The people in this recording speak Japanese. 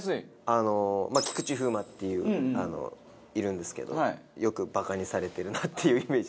あの菊池風磨っていういるんですけどよくバカにされてるなっていうイメージです。